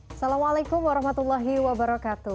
assalamualaikum warahmatullahi wabarakatuh